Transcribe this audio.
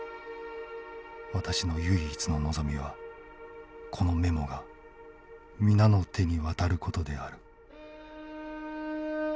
私の唯一の望みはこのメモが皆の手に渡ることである」。